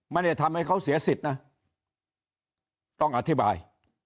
ไม่ได้ทำให้เขาเสียสิทธิ์นะต้องอธิบาย